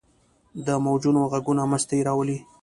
د موجونو ږغونه مستي راولي.